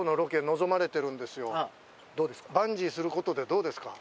どうですか？